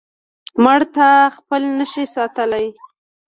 مړتا خپل نشي ساتلی.